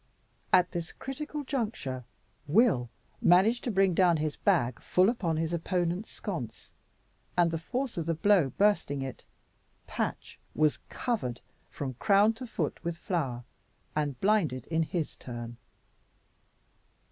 At this critical juncture Will managed to bring down his bag full upon his opponent's sconce, and the force of the blow bursting it, Patch was covered from crown to foot with flour, and blinded in his turn.